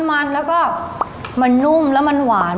มันแล้วก็มันนุ่มแล้วมันหวาน